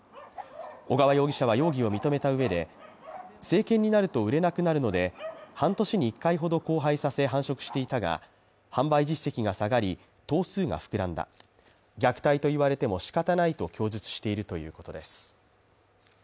尾川容疑者は容疑を認めた上で成犬になると売れなくなるので半年に１回ほど交配させ繁殖していたが、販売実績が下がり、頭数が膨らんだ虐待と言われても仕方ないと供述しているということです。